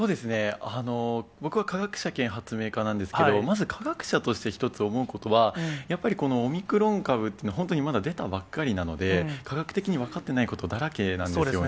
僕は化学者兼発明家なんですけれども、まず科学者として一つ思うことは、やっぱりこのオミクロン株というのは、本当にまだ出たばっかりなので、科学的に分かっていないことだらけなんですね。